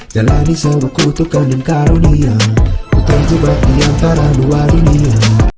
jalani sewuku tukang dan karunia putar jebak diantara dua dunia